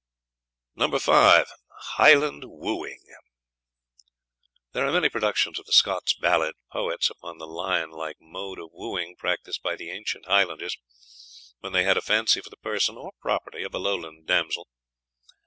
No. V. HIGHLAND WOOING. There are many productions of the Scottish Ballad Poets upon the lion like mode of wooing practised by the ancient Highlanders when they had a fancy for the person (or property) of a Lowland damsel.